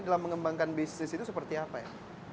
dalam mengembangkan bisnis itu seperti apa ya